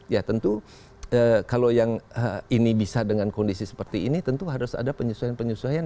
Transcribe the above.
ya tentu kalau yang ini bisa dengan kondisi seperti ini tentu harus ada penyesuaian penyesuaian